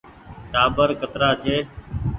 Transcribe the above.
ٽآٻر ڪترآ ڇي ۔